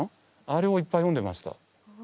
あれをいっぱい読んでました。